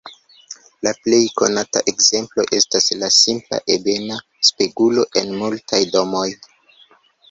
La plej konata ekzemplo estas la simpla ebena spegulo en multaj domoj.